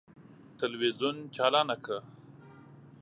تلویزون چالانه کړه!